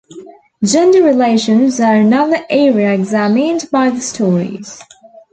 Gender relations are another area examined by the stories.